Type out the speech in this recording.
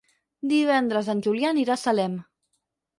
Divendres en Julià anirà a Salem.